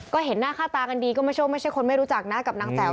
ก็เห็นหน้าค่าตากันดีก็ไม่ใช่คนไม่รู้จักนะกับนางแจ๋ว